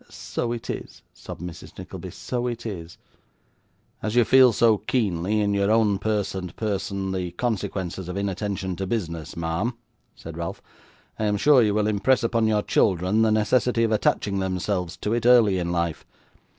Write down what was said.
'So it is,' sobbed Mrs. Nickleby. 'So it is.' 'As you feel so keenly, in your own purse and person, the consequences of inattention to business, ma'am,' said Ralph, 'I am sure you will impress upon your children the necessity of attaching themselves to it early in life.